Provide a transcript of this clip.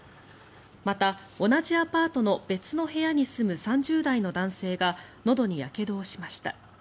また、同じアパートの別の部屋に住む３０代の男性がのどにやけどをしました。